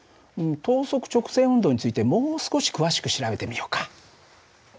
等速直線運動についてもう少し詳しく調べてみようか。